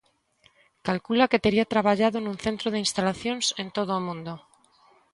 Calcula que tería traballado nun cento de instalacións en todo mundo.